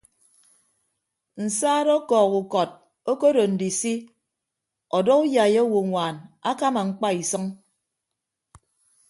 Nsaat ọkọọk ukọt okodo ndisi ọdọ uyai owoññwaan akama ñkpa isʌñ.